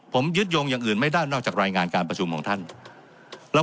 ผมยึดโยงอย่างอื่นไม่ได้นอกจากรายงานการประชุมของท่านแล้ว